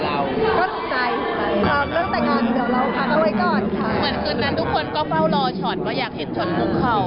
ถามเรื่องแต่งงานเดี๋ยวเราพักไว้ก่อนค่ะ